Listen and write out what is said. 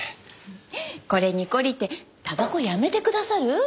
これに懲りてたばこやめてくださる？